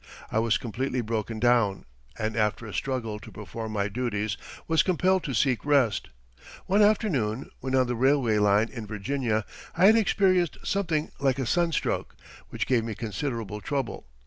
I was completely broken down, and after a struggle to perform my duties was compelled to seek rest. One afternoon, when on the railway line in Virginia, I had experienced something like a sunstroke, which gave me considerable trouble.